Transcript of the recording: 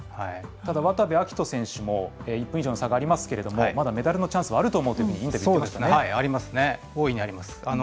ただ、渡部暁斗選手も１分以上の差がありますけどまだメダルのチャンスはあると思うと大いにあります。